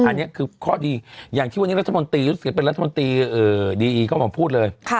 อันนี้คือข้อดีอย่างที่วันนี้รัฐมนตรีรัฐมนตรีดีพูดเลย